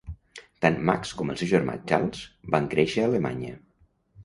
Tant Max com el seu germà Charles van créixer a Alemanya.